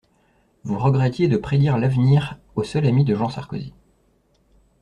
Vous regrettiez de prédire l'avenir au seul ami de Jean Sarkozy.